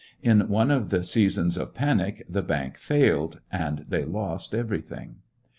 In one of the seasons of panic the bank failed and they lost everything.